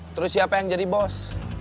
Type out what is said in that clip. terus siapa yang jadi bos